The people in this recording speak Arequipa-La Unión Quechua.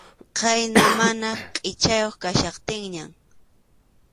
Khayna mana qʼichachiyuq kachkaptinñan.